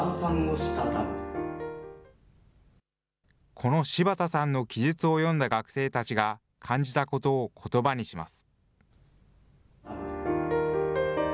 この柴田さんの記述を読んだ学生たちが、感じたことをことばにします。